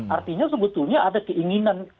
artinya sebetulnya ada keinginan